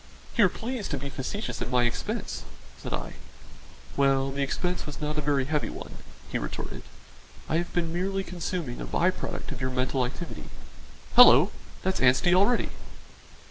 "You are pleased to be facetious at my expense," said I. "Well, the expense was not a very heavy one," he retorted. "I have been merely consuming a by product of your mental activity Hallo! that's Anstey already."